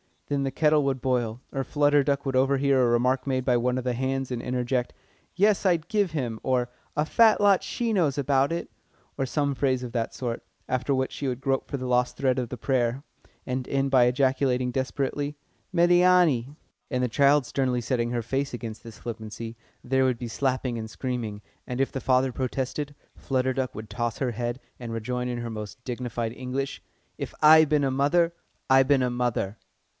Then the kettle would boil, or Flutter Duck would overhear a remark made by one of the "hands," and interject: "Yes, I'd give him!" or, "A fat lot she knows about it," or some phrase of that sort; after which she would grope for the lost thread of prayer, and end by ejaculating desperately: "Médiâni!" And the child sternly setting her face against this flippancy, there would be slapping and screaming, and if the father protested, Flutter Duck would toss her head, and rejoin in her most dignified English: "If I bin a mother, I bin a mother!"